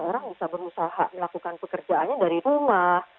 orang bisa berusaha melakukan pekerjaannya dari rumah